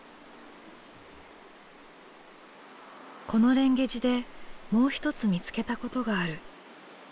この蓮華寺でもう一つ見つけたことがある。